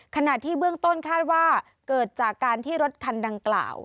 ขณะที่เบื้องต้นคาดว่าเกิดจากการที่รถคันดังกล่าว